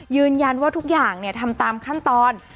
ยืนยันว่าทุกอย่างทำตามขั้นตอน